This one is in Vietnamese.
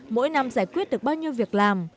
mỗi năm giải quyết được bao nhiêu việc làm